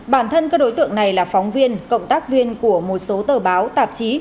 bản thân các đối tượng này là phóng viên cộng tác viên của một số tờ báo tạp chí